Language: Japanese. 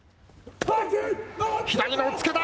左の押っつけだ。